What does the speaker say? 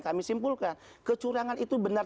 kami simpulkan kecurangan itu benar